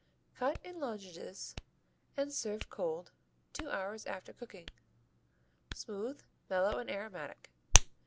Cut in lozenges and served cold not two hours after cooking. Smooth, mellow and aromatic.